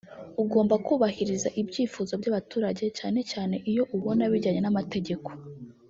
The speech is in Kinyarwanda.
ugomba kubahiriza ibyifuzo by’abaturage cyane cyane iyo ubona bijyanye n’amategeko